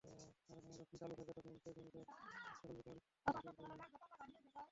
কারখানা যখন চালু থাকে, তখন সেইখান থাইকা সকাল-বিকাল পচা গ্যাস বাইর হয়।